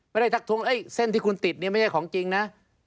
ไม่ได้ทุกข์ท้วงเอ้ยเส้นที่คุณติดนี่ไม่ใช่ของจริงนะ